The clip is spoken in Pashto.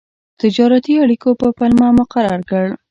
تجارتي اړیکو په پلمه مقرر کړ.